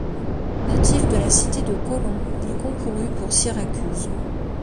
Natif de la cité de Kaulon, il concourut pour Syracuse.